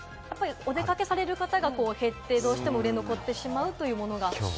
お出かけされる方が減って、どうしても売れ残ってしまうということで。